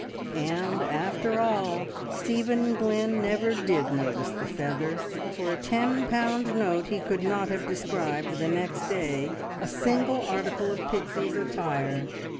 And, after all, Stephen Glynn never did notice the feather. For a ten pound note he could not have described the next day a single article of Pixie's attire.